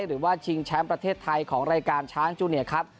หรือว่าชิงแชมป์ประเทศไทยของรายการช้างจูเนียครับ